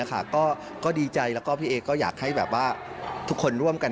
ก็ดีใจแล้วก็พี่เอก็อยากให้ทุกคนร่วมกัน